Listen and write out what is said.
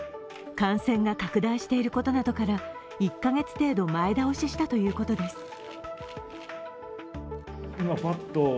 感染が拡大していることなどから１カ月程度前倒ししたということです。